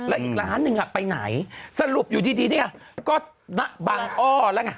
แล้วอีกล้านหนึ่งไปไหนสรุปอยู่ดีนี่ไงก็ณบางอ้อแล้วไง